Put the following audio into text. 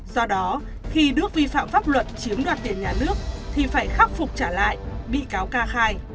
do đó khi đức vi phạm pháp luật chiếm đoạt tiền nhà nước thì phải khắc phục trả lại bị cáo k hai